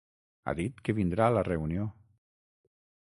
Ha dit que vindrà a la reunió.